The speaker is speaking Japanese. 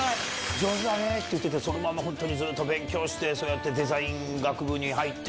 「上手だね」って言っててそのままずっと勉強してデザイン学部に入って。